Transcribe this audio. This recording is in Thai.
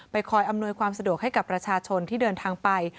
คอยอำนวยความสะดวกให้กับประชาชนที่เดินทางไป